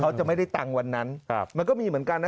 เขาจะไม่ได้ตังค์วันนั้นมันก็มีเหมือนกันนะ